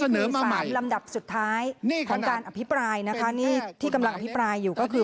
นี่คือสารลำดับสุดท้ายของการอภิปรายที่กำลังอภิปรายอยู่ก็คือ